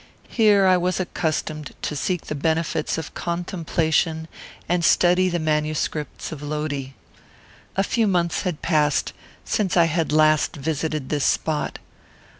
Here I was accustomed to seek the benefits of contemplation and study the manuscripts of Lodi. A few months had passed since I had last visited this spot.